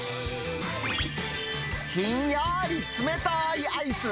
ひんやーり冷たーいアイス。